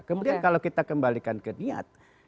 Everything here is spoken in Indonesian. kemudian kalau kita kembalikan ke niat